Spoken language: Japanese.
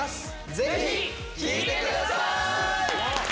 ぜひ聴いてください！